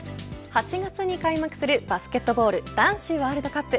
８月に開幕するバスケットボール男子ワールドカップ。